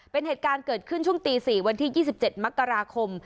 เป็นเหตุการณ์เกิดขึ้นช่วงตีสี่วันที่ยี่สิบเจ็ดมักราคม